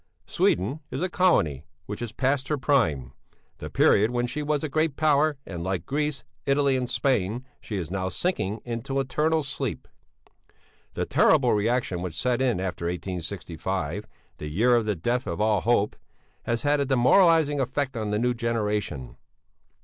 "'Sweden is a colony which has passed her prime, the period when she was a great power, and like Greece, Italy, and Spain, she is now sinking into eternal sleep. "'The terrible reaction which set in after 1865, the year of the death of all hope, has had a demoralising effect on the new generation.